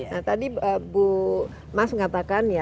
nah tadi bu mas mengatakan ya